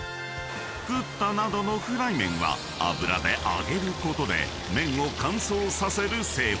［ＱＴＴＡなどのフライ麺は油で揚げることで麺を乾燥させる製法］